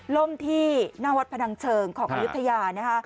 ล่มที่ณวัฒน์พนังเชิงของกริยุทธยา